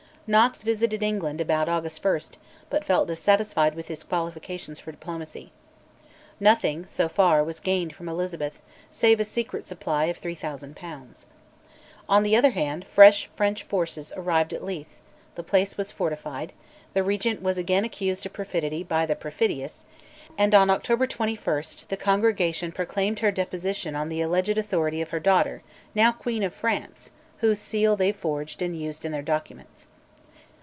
{111a} Knox visited England, about August 1, but felt dissatisfied with his qualification for diplomacy. Nothing, so far, was gained from Elizabeth, save a secret supply of 3000 pounds. On the other hand, fresh French forces arrived at Leith: the place was fortified; the Regent was again accused of perfidy by the perfidious; and on October 21 the Congregation proclaimed her deposition on the alleged authority of her daughter, now Queen of France, whose seal they forged and used in their documents.